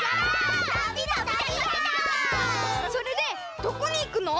それでどこにいくの？